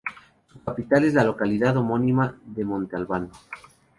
Su capital es la localidad homónima de Montalbán.